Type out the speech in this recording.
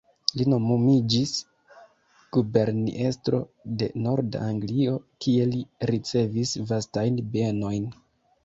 Li nomumiĝis guberniestro de norda Anglio, kie li ricevis vastajn bienojn.